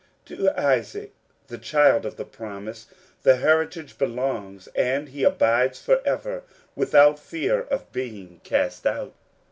To Isaac, the child of the promise^ the heritage belongs, and he abides forever, without fear of being cast out.